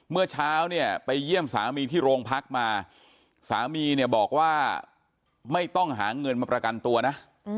เมื่อเช้าเนี่ยไปเยี่ยมสามีที่โรงพักมาสามีเนี่ยบอกว่าไม่ต้องหาเงินมาประกันตัวนะ